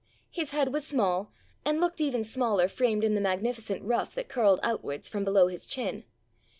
His head was small, and looked even smaller framed in the magnificent ruff that curled outwards from below his chin.